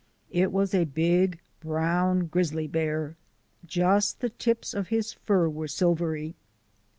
It was a big, brown grizzly bear. Just the tips of his fur were silvery.